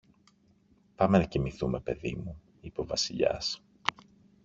Πάμε να κοιμηθούμε, παιδί μου, είπε ο Βασιλιάς.